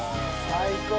最高！